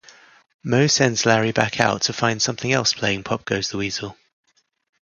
Moe sends Larry back out to find something else playing "Pop Goes the Weasel".